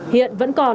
hiện vẫn còn